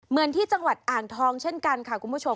เหมือนที่จังหวัดอ่างทองเช่นกันค่ะคุณผู้ชม